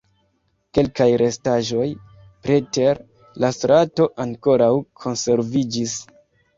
Kelkaj restaĵoj preter la strato ankoraŭ konserviĝis.